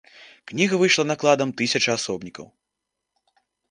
Кніга выйшла накладам тысяча асобнікаў.